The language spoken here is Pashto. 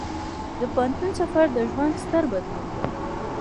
د پوهنتون سفر د ژوند ستر بدلون دی.